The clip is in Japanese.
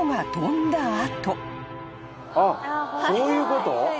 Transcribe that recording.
あっそういうこと？